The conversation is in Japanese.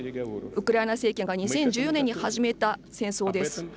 ウクライナ政権が２０１０年に始めた戦争です。